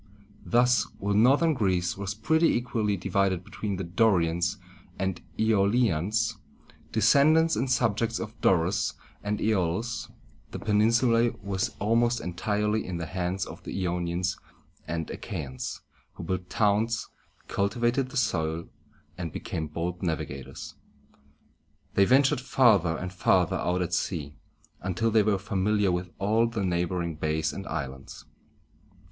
Thus, while northern Greece was pretty equally divided between the Do´ri ans and Æ o´li ans, descendants and subjects of Dorus and Æolus, the peninsula was almost entirely in the hands of the I o´ni ans and A chæ´ans, who built towns, cultivated the soil, and became bold navigators. They ventured farther and farther out at sea, until they were familiar with all the neighboring bays and islands.